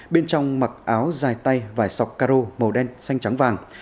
bên trong mặc áo dài tay vài sọc caro màu đen xanh trắng vàng